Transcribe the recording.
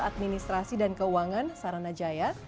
administrasi dan keuangan sarana jaya